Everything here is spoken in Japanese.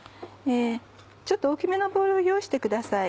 ちょっと大きめのボウルを用意してください。